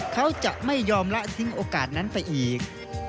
เขาจะไม่ยอมละทิ้งโอกาสนั้นไปอีก